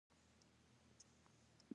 آیا پښتون د تسلیم شوي دښمن ساتنه نه کوي؟